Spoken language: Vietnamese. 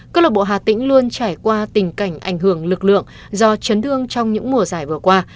cơ lộc bộ hà tĩnh luôn trải qua tình cảnh ảnh hưởng lực lượng do chấn thương trong những mùa giải vừa qua